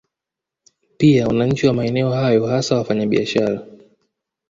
Pia wananchi wa maeneo hayo hasa wafanya biashara